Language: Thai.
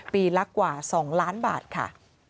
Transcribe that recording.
ปีละกว่า๒ล้านบาทค่ะ